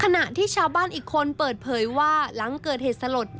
ได้นำเรื่องราวมาแชร์ในโลกโซเชียลจึงเกิดเป็นประเด็นอีกครั้ง